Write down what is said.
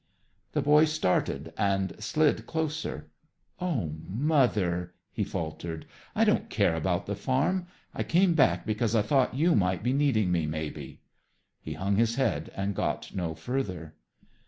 The boy started and slid closer. "Oh, Mother," he faltered, "I don't care about the farm. I came back because I thought you might be needing me, maybe." He hung his head and got no further.